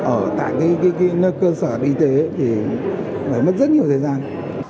ở tại cái nơi cơ sở y tế thì phải mất rất nhiều thời gian